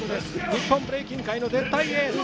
日本ブレイキン界の絶対エース。